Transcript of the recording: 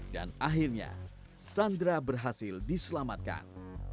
dan akhirnya sandra berhasil diselamatkan